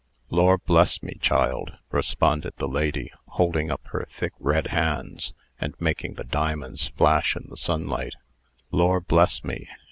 "Lor' bless me, child!" responded the lady, holding up her thick, red hands, and making the diamonds flash in the sunlight; "Lor' bless me!